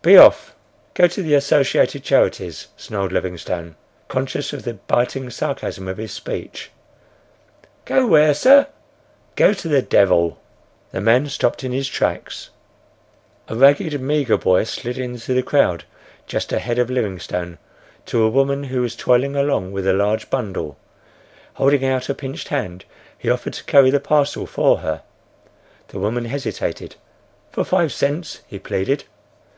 "Be off. Go to the Associated Charities," snarled Livingstone, conscious of the biting sarcasm of his speech. "Go where, sir?" "Go to the devil!" The man stopped in his tracks. A ragged, meagre boy slid in through the crowd just ahead of Livingstone, to a woman who was toiling along with a large bundle. Holding out a pinched hand, he offered to carry the parcel for her. The woman hesitated. —"For five cents," he pleaded.